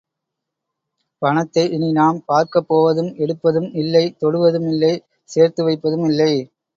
பணத்தை இனி நாம் பார்க்கப் போவதும், எடுப்பதும் இல்லை, தொடுவதும் இல்லை, சேர்த்து வைப்பதும் இல்லை!